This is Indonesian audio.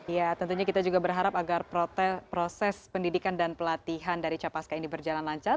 ya tentunya kita juga berharap agar proses pendidikan dan pelatihan dari capaska ini berjalan lancar